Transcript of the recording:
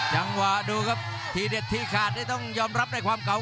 จังหวะดูครับทีเด็ดที่ขาดนี่ต้องยอมรับในความเก่า